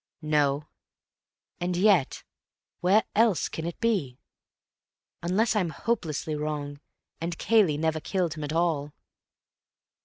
"No. And yet where else can it be? Unless I'm hopelessly wrong, and Cayley never killed him at all."